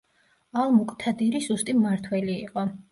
ალ-მუკთადირი სუსტი მმართველი იყო.